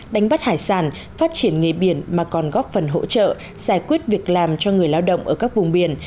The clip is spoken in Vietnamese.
đánh bắt hải sản phát triển nghề biển mà còn góp phần hỗ trợ giải quyết việc làm cho người lao động ở các vùng biển